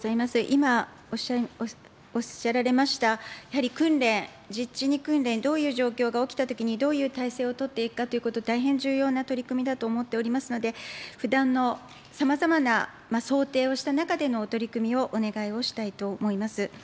今、おっしゃられました、やはり訓練、実地に訓練、どういう状況が起きたときに、どういう態勢を取っていくかということ、大変重要な取り組みだと思っておりますので、不断のさまざまな想定をした中でのお取り組みをお願いをしたいと思います。